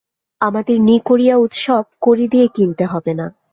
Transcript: আমাদের নিকড়িয়া উৎসব কড়ি দিয়ে কিনতে হবে না।